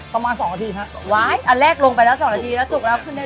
ประมาณสองอาทิตย์ฮะว้ายอันแรกลงไปแล้วสองนาทีแล้วสุกแล้วขึ้นได้